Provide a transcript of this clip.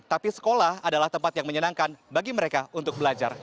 tapi sekolah adalah tempat yang menyenangkan bagi mereka untuk belajar